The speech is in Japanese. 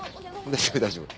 大丈夫大丈夫。